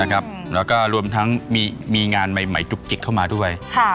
แล้วก็มีงานใหม่จุกกิกเข้ามาด้วย